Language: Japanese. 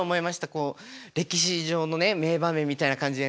こう歴史上のね名場面みたいな感じでね。